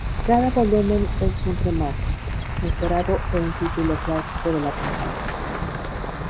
Cada volumen es un "remake" mejorado de un título clásico de la compañía.